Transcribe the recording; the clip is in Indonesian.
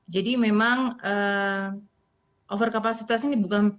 jadi memang overcapacitas ini bukan